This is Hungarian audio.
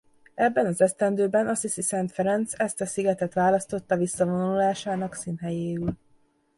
Ebben az esztendőben Assisi Szent Ferenc ezt a szigetet választotta visszavonulásának színhelyéül.